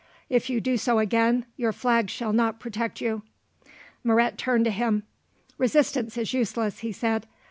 "If you do so again, your flag shall not protect you." Moret turned to him. "Resistance is useless," he said.